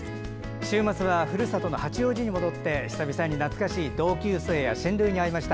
週末はふるさとの八王子に戻って久々に懐かしい同級生や親類に会いました。